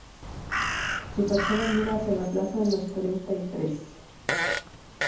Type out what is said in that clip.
Su fachada mira hacia la Plaza de los Treinta y Tres.